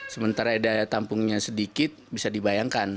sementara daya tampungnya sedikit bisa dibayangkan